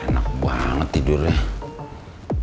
enak banget tidurnya